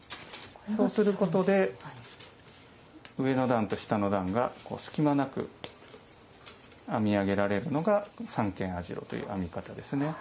そうすることで上の段と下の段が隙間なく編み上げられるのが三間網代という編み方ですね。